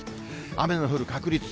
雨の降る確率。